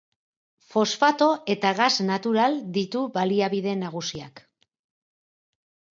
Fosfato eta gas natural ditu baliabide nagusiak.